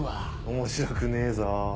面白くねえぞ。